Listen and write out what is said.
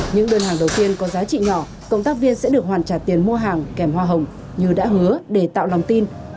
những đơn hàng đầu tiên có giá trị nhỏ công tác viên sẽ được hoàn trả tiền mua hàng kèm hoa hồng như đã hứa để tạo lòng tin